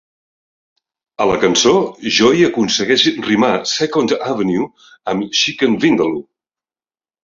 A la cançó, Joey aconsegueix rimar "Second Avenue" amb "chicken vindaloo".